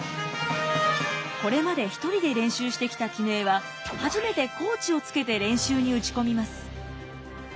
これまで１人で練習してきた絹枝は初めてコーチをつけて練習に打ち込みます。